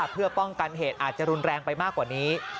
เพื่อป้องกันเหตุอาจจะรุนแรงไปมากกว่านี้